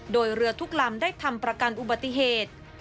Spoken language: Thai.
โดยเรือทุกลำได้ทำประกันอุบัติเหตุ